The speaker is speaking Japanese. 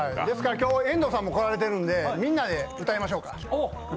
今日遠藤さんも来られているのでみんなで歌いましょうか。